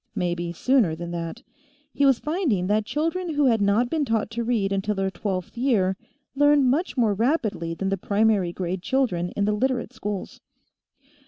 Maybe sooner than that; he was finding that children who had not been taught to read until their twelfth year learned much more rapidly than the primary grade children in the Literate schools.